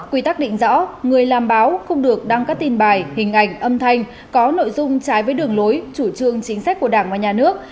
quy tắc định rõ người làm báo không được đăng các tin bài hình ảnh âm thanh có nội dung trái với đường lối chủ trương chính sách của đảng và nhà nước